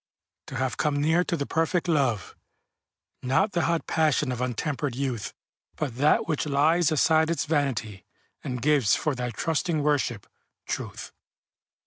To have come near to the perfect love, Not the hot passion of untempered youth, But that which lies aside its vanity, And gives, for thy trusting worship, truth.